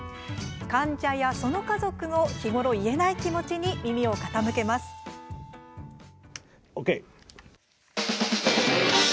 患者や、その家族の日頃、言えない気持ちに耳を傾けます。